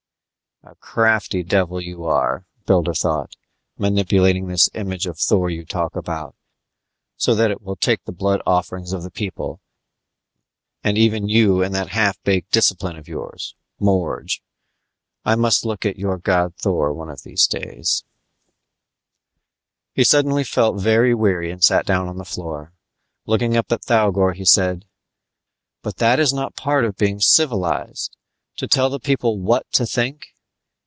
A crafty devil you are, Builder thought. _Manipulating this image of Thor you talk about, so that it will take the blood offerings of the people and even you and that half baked discipline of yours, Morge. I must look at your god Thor one of these days _ He suddenly felt very weary and sat down on the floor; looking up at Thougor, he said, "But that is not part of being civilized, to tell the people what to think.